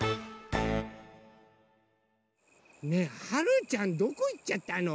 はるちゃんどこいっちゃったの？